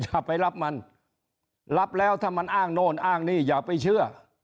อย่าไปรับมันรับแล้วถ้ามันอ้างโน่นอ้างนี่อย่าไปเชื่อ